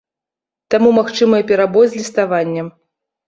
Таму магчымыя перабой з ліставаннем.